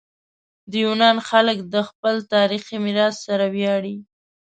د یونان خلک د خپل تاریخي میراث سره ویاړي.